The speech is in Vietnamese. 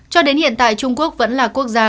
cho đến hiện tại trung quốc vẫn là quốc gia